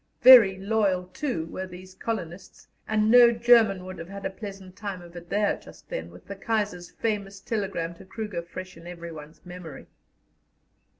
Very loyal, too, were these colonists, and no German would have had a pleasant time of it there just then, with the Kaiser's famous telegram to Kruger fresh in everyone's memory.